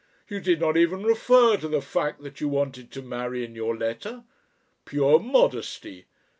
You did not even refer to the fact that you wanted to marry in your letter. Pure modesty!